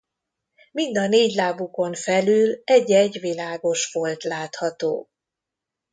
Mind a négy lábukon felül egy-egy világos folt látható.